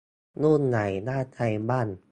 รุ่นไหนน่าใช้บ้าง